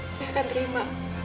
saya akan terima